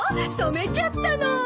染めちゃったの。